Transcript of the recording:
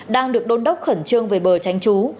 đang được đôn đốc khẩn trương về bờ tránh trú